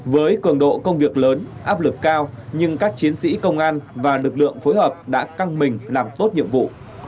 với cường độ công việc lớn áp lực cao nhưng các chiến sĩ công an và lực lượng phối hợp đã căng mình làm tốt nhiệm vụ